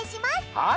はい！